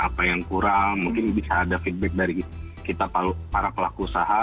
apa yang kurang mungkin bisa ada feedback dari kita para pelaku usaha